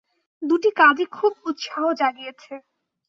দুটি কাজই খুব উৎসাহ জাগিয়েছে।